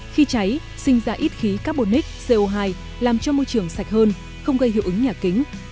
khi cháy sinh ra ít khí carbonic co hai làm cho môi trường sạch hơn không gây hiệu ứng nhà kính